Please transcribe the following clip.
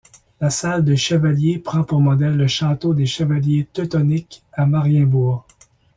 La salle des chevaliers prend pour modèle le château des chevaliers teutoniques à Marienburg.